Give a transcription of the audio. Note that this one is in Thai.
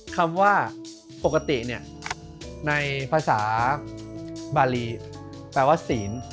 คำว่าปกติในภาษาบาลีแปลว่าศีล